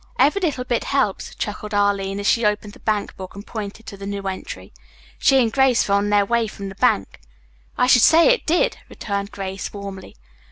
"'Every little bit helps'" chuckled Arline as she opened the bank book and pointed to the new entry. She and Grace were on their way from the bank. "I should say it did," returned Grace warmly.